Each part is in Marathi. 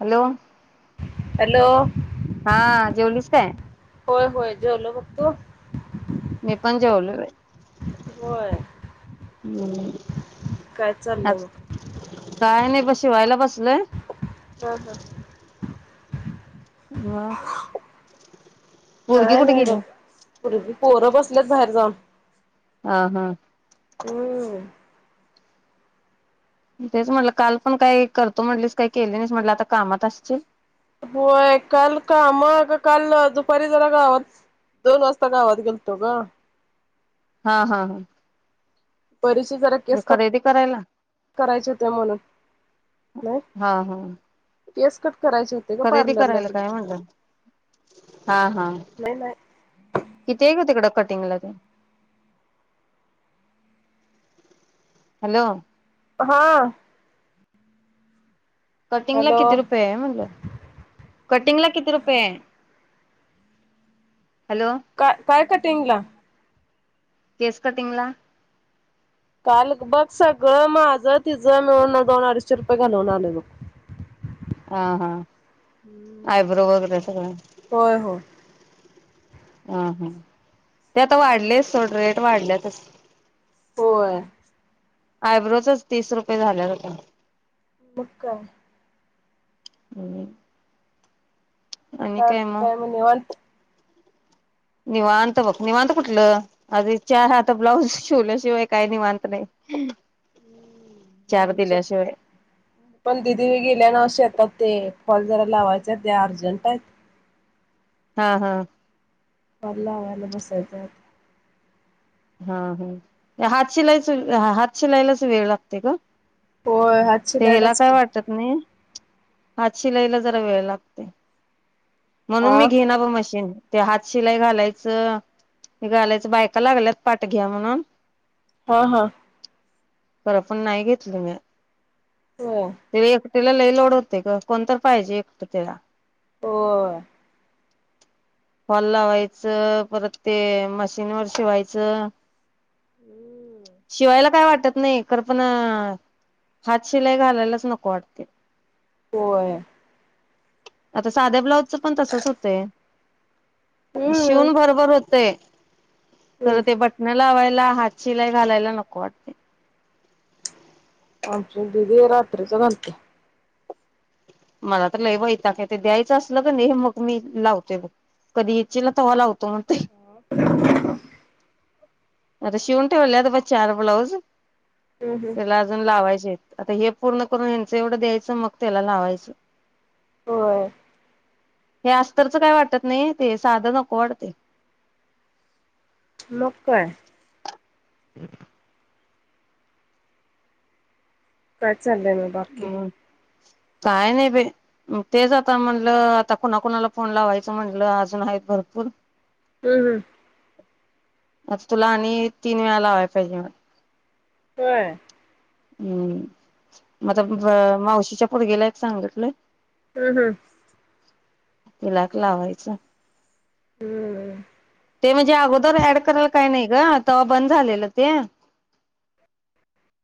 हॅलो. हॅलो. हा जेवलीस काय? होय होय जेवलो बघ तू. मी पण जेवलो बाई. होय काय चाललंय आज मग काय नायं. शिवायला बसलं. हा हा. मं. पुरगी कुठं गेली. पुरगी पोरं बसल्यात बाहेर जाऊन. हं हा. हम्म म तेच म्हटलं काल पण काय करतो म्हटलीस, काय केली नाहीस म्हटलं, आता कामात असचील होय काल काम आग काल दुपारी जरा गावात सं दोन वाजता गावात गेलतो गं. हा हा हा. परीचे जरा केस कट खरेदी करायला करायचे होते म्हणून. नाही हा हं. केस कट. करायचे होते ग खरेदी पार्लरला करायला काय गेलतो म्हणलं, हा हा नाही नाही किती हाय गं तिकड? कटिंगला ते हॅलो हा. कटिंग ला हॅलो किती रुपये आहे म्हणलं? कटिंग ला किती रुपये? हॅलो का काय कटींगला? केस कटींगला. काल बघ सगळं माझं तिझं मिळून दोन अडीचशे रुपये घालवून आलोय बघ. हा हा हम्म आयब्रो वगैरे सगळं. होय होय. हा हा ते आता वाढलेच सोड रेट वाढल्यातच होय. आयब्रोचच तीस रुपये झाल्यात आता. मकाय्. हम्. बाकी काय म निवांत. निवांत बघ निवांत कुठलं अज च हता ब्लाऊज शिवल्याशिवाय काही निवांत नाही. हम् चार आमचं दिल्याशिवाय पण दिदवी गेल्या नव शेतात ते कॉल जरा लावायचा त्या अर्जंट आहेत. हा हा कॉल लावायला बसायचं‌ आता. हा हा हात शिलायच हात शिलायलाच वेळलागतोय‌ ग होय हात ते हेला शिलायलाच काय की. वाटत नाही. हात शिलाईला जरा वेळ लागतेय. म्हणून आ मी घेईना बग मशीन. ते हात शिलाई घालायचं घालायचं बायका लागल्यात पाट घ्या म्हणुन हा हा खरं पण नाही घेतलं मी होय. त्याला लई लोड होते ग कोण तर पाहिजे एकट तिला. होय. फॉल लावायचं परत ते मशीन वर शिवाय च शिवायला काय वा वाटत नाही खर पण हात शिलाई घालायलाच नको वाटते. होय. आता साध्या ब्लाउ पण तसच होतय. हम्म शिवून बरोबर होतय. तर हम्म ते बटनं लावाय ला हात शिलाई घालायला नको वाटतय. आमची दिदी रात्रीच घालत्या. मला तर लय वैताग येतोय द्यायचं असलं क नाई मग मी लावतोय बघ कधी इचीला तवा लावतो म्हण [inaudible] आता शिवुन टेवल्यात ब चार ब्लाउज हम्म हम्म. त्याला अजून लावायचेत आता हे पूर्ण करून ह्यांचं एवढं द्यायचं मग त्याला लावायचं होय. हे अस्तरच काय वाटत नाई ते साधं नको वाटतय. मग काय [inaudible] काय चालय म बाकी हम्म. काय नाय बय अं तेच आता म्हणलं आता कुणाकुणाला फोन लावायचं म्हणलं अजून आहेत भरपूर हूं हूं आज तुला आणि तीन वेळा लावायला पाहिजे म होय. हूं म आता हम्म ब हम्म. मावशीच्या पोरग्याला एक सांगतलंय हूं हूं तेला एक लावायचाय हम्म हम्म. ते म्हणजे अगोदर ॲड करायला काय नाही. ग तवा बंद झालेलं ते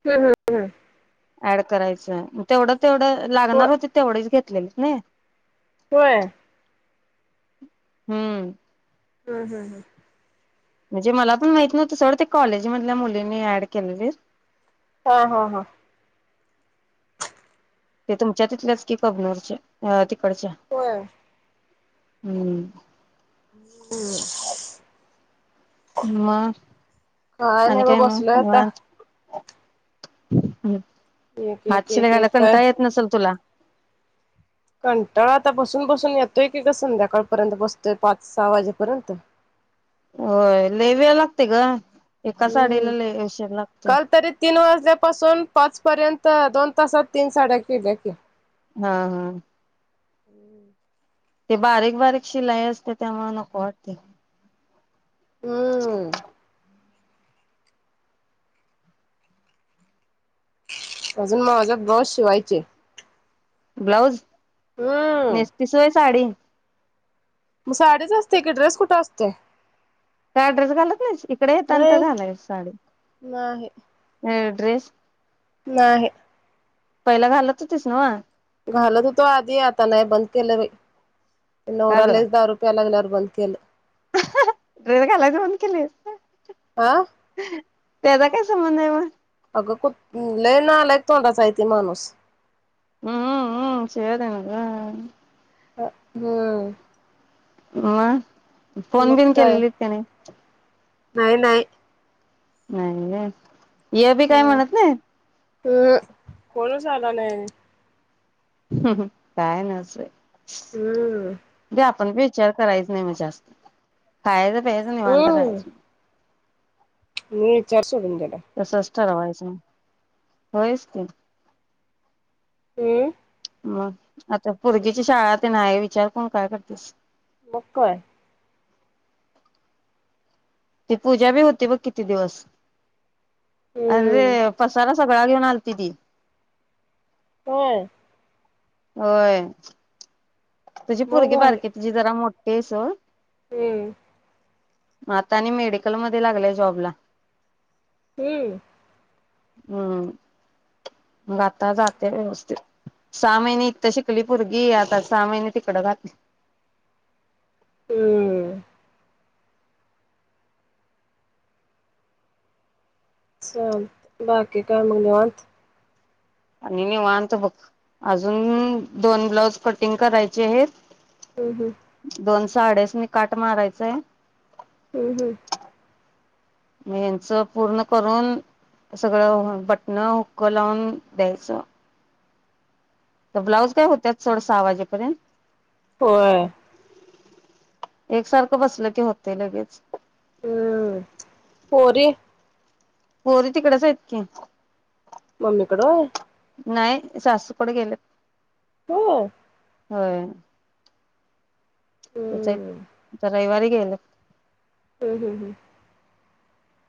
हूं हूं हूं ऍड करायचं म तेवढ तेवढं हो लागणार होते तेवढेच घेत [unintelligible] होय. हूं हूं हूं हूं म्हणजे मला पण माहित नव्हतं सोडं ते कॉलेज मधल्या मुलींनी ऍड केलेले हा हां हां ते तुमच्या तिथल्याच की कबनूरचे आ ते होय. हूं [unintelligible] मग आणि नाही बघ काय मग बसलोय आता निवांत [inaudible] एक एक हातशिरा एक घायला एक काय कंटाळा येत नसल तुला? कंटाळा आता बसून बसून येतोय की ग संध्याकाळपर्यंत बसतोय पाच सहा वाजेपर्यंत. होय लई वेळ लागतोय ग. एका हम्म साडीला लई उशीर लागतोय. तिनापाासून पाच पर्यंत दोन तासात तीन साड्या केल्या की. हां हां हम ते बारीक बारीक शिलाई असते त्यामुळे नको वाटतय. हम्म [inaudible] अजून माझा ब्लाॅस शिवायचे. ब्लाऊज हम्म. नेस्तीस व्हय साडी? साडीच असते की ड्रेस कुठ असतोय. का ड्रेस घालत नाही इकडे येताना तर घालायच साडी. नाही. हा ड्रेस नाही. पहिला घालत होतीस नव्ह? घालत होतो आधी आता नाही बंद केल बाई. का नवरा ग लईच दारू प्यायला लागलाय बंद केले ड्रेस घालायचं बंद केलीस? आ? त्याचा काय संबंध आहे मग? अगं कुत लय नालायक तोंडाचा आहे तो माणूस. हम हम शिव्या देऊ नको ग. अ हम्म मग? फोन मग बिन काय केलेलीत का नाही? नाही नाही. नाही होय? ये बी काय म्हणत नाहीत? फोनच आला नाही. हम हम काय नसय हम्म [inaudible] विचार करायच नाही मग जास्त खायच खायच निवांत राहायचं. निजत तुरुंगात टाक. तसच ठरवायचं होयच की. हम्म मग आता पोरगीची शाळा तेन आहे विचार करून काय करतीस. मग काय ती पूजा बी होती बघ किती दिवस. अरे हम्म पसारा सगळा घेऊन आलती ती. होय होय तुझी मग पोरगी भारी बारकी तिची जरा मो ते सोड हम्म आता आणि मेडिकल मध्ये लागलाय जॉबला. हम्म हम्म मग आता जाते व्यवस्थित. सहा महिने इथ शिकली पोरगी आता सहा माहिने तिकडं घातली. हम्म चालतंय बाकी काय मग निवांत? आणि निवांत बघ. अजून दोन ब्लाऊज कटिंग करायचे हेत हम्म हम्म दोन साड्यासनी काट मारायचंय. हम्म हम्म म यांच पूर्ण करून सगळं बटणं, हुक्क लावून द्यायचं. ब्लाऊज काय होत्यात सोड सहा वाजेपर्यंत. होय एकसारखं बसलं की होतय लगेच. हम्म पोरी? पोरी तिकडच आहेत की. मम्मीकड होय? नाही सासूकडे गेलेत. होय होय त्याचा हम्म एक रविवारी गेल हम्म हम् हम्म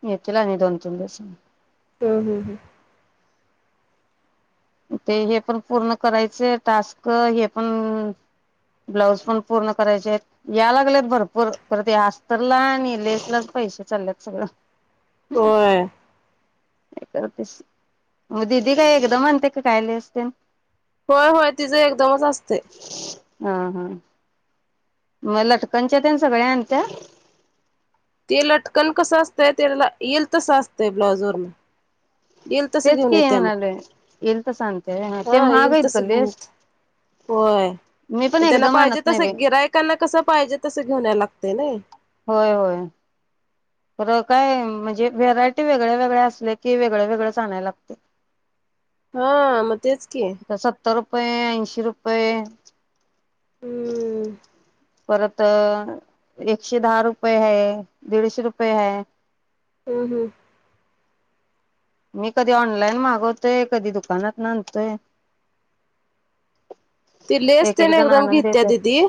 येतील आणि दोन तीन दिवसात. हम् हम् हम् ते हे पण पूर्ण करायचे टास्क, हे पण ब्लाऊज पण पूर्ण करायचे आहेत. या लागलेत भरपूर खर ते आस्तरला आणि लेसलाच पैसे चाललेत सगळ. व्हय काय करतीस. मग दिदी काय एकदम आणते ते काय लेस तेन. होय होय तिचं एकदमच असतय. हा हा मग लटकनच्या तेन सगळ्या आणत्या? ते लटकन कसं असतंय तेला येईल तसं असतंय ब्लाउजवरन. येईल तसं तेच घेऊन की येत्या म्हणालोय येईल तसं आणत्या व्हय मग ते हा महाग येईल आहेत तस ग घेऊन लेस येतीया होय मी पण त्यांना एकदम पाहिजे आणत नाही बाई तसं गिरायि कांना कसं पाहिजे तसं घेऊन यायला लागत. ते नाही होय होय खर काय म्हणजे व्हेरायटी वेगळ्या वेगळ्या असल्या कि वेगळवेगळच आणाय लागतय. हा म तेच की आता सत्तर रुप रुपये आयंशी रुपये हम्म परत एकशे दहा रुपये है दीडशे रुपये है. हम्म हम्म मी कधी ऑनलाईन मागवतोय कधी दुकानातन आनतोय. ति लेस तेन एकदम घेत्या देतात दीदी?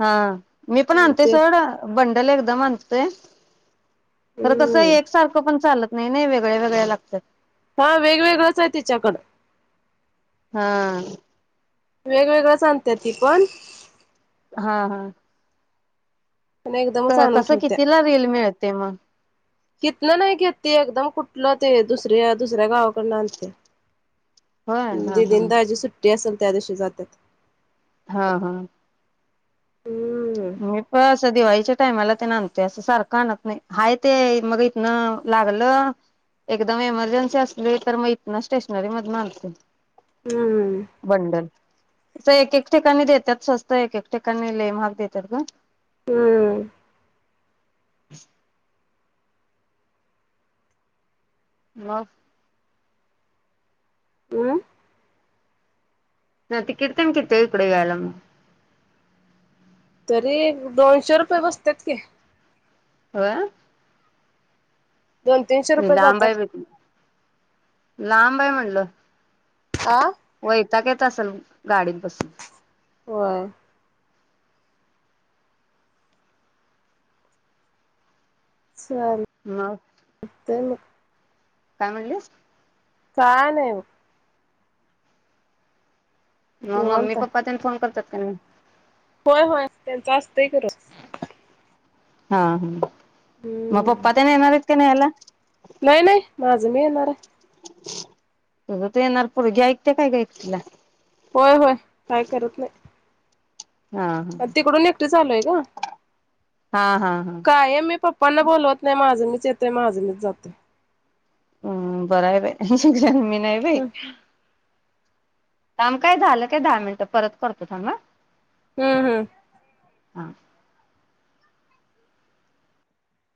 हा. मी पण आणते सोड बंडल एकदम आणतेय. तर कसं हम्म एक सारखं पण चालत नाही नाही वेगळ्या वेगळ्या लागत्यात. हा वेगवेगळंच हाय तिच्याकड. हां वेगवेगळंच आणतिया ती पण हा हा आणि एकदमच आणून कस कितीला रील मिळत तेव्हा इथन नाही घेते ती एकदम कुठलं ते दुसऱ्या दुसऱ्या गावाकडन आणत्या, होय हा हा दिदी अन दाजी सुट्टी असेल त्या दिवशी जात्यात. हां हां हम्म असं दिवाळीच्या टायमाला ते आणतोय, असं सारखं आणत नाही हाय ते मग इथन लागलं एकदम एमर्जन्सी असली तर मग इथन स्टेशनरी मध्यन आणतोय. हम्म. बंडल असं एक-एक ठिकाणी देत्यात स्वस्त, एक-एक ठिकाणी लय महाग दे त्यात ग. हम्म [inaudible] मग अमं? ना तिकिट तेन किती हाय इकडं यायला म? तरी दोनशे रुपये बसत्यात की, होय? दोन - तीनशे लय रुपये लांब आहे जातात. बाई ते लांब आहे म्हणलं आ? वयताक येत असल गाडीत बसून? होय चालतंय मग मग काय म्हणलीस? काय नाही बग. मग मम्मी निवांत हाय पप्पा तेन फोन करत्यात? कणी. होय होय त्यांच असतय की रोज. हा हं. मग हम्म पप्पा ते ना येणार हाईत कनायला. नाही नाही माझं मी येणार आहे. तगं त येणार पुर्गी ऐकते काय ग एकटीला? होय होय काय करत नाही. हा आण तिकडून एकटीच आलोय ग. हा हा हा. प्पाना बोलवत नाही माझं मीच येतोय माझं मीच जातोय. हम्म बरय बाई अ ह ह मी नाही बाई. हम्म थांब काय झालं काय दहा मिनिट परत करतो थांब आ. हम्म हम्म. हा.